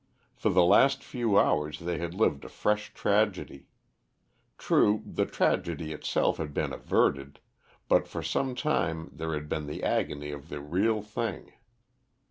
For the last few hours they had lived a fresh tragedy. True, the tragedy itself had been averted, but for some time there had been the agony of the real thing.